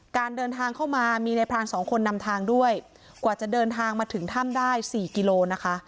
การเดินทางเข้ามามีในพรานสองคนนำทางด้วยกว่าจะเดินทางมาถึงถ้ำได้สี่กิโลนะคะ